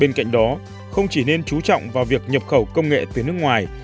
bên cạnh đó không chỉ nên chú trọng vào việc nhập khẩu công nghệ từ nước ngoài